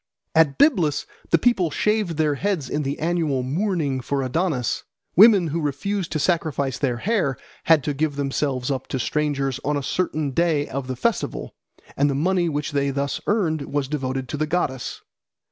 At Byblus the people shaved their heads in the annual mourning for Adonis. Women who refused to sacrifice their hair had to give themselves up to strangers on a certain day of the festival, and the money which they thus earned was devoted to the goddess.